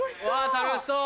楽しそう。